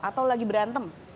atau lagi berantem